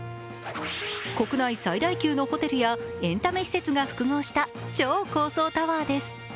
国内最大級のホテルやエンタメ施設が複合した超高層タワーです。